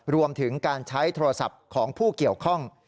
รวมถึงการใช้โทรศัพท์ของผู้เกี่ยวข้อง